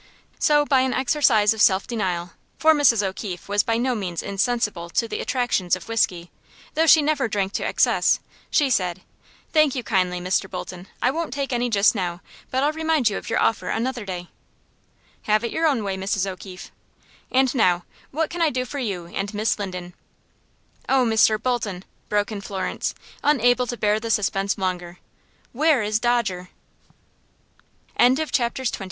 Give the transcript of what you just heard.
So, by an exercise of self denial for Mrs. O'Keefe was by no means insensible to the attractions of whiskey, though she never drank to excess she said: "Thank you kindly, Mr. Bolton. I won't take any just now; but I'll remind you of your offer another day." "Have it your own way, Mrs. O'Keefe. And now, what can I do for you and Miss Linden?" "Oh, Mr. Bolton," broke in Florence, unable to bear the suspense longer, "where is Dodger?" Chapter XXV. Finding The Clew. Tim Bolton looked at Florence in undisguised astonishment.